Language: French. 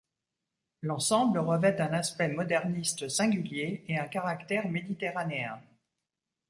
L'ensemble revêt un aspect moderniste singulier et un caractère méditerranéen.